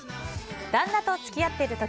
旦那と付き合っている時